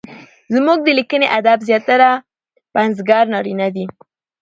زموږ د ليکني ادب زياتره پنځګر نارينه دي؛